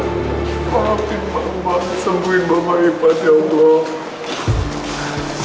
maafin mama sembuhin mama ibadah ya allah